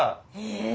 へえ。